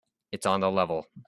It's on the level.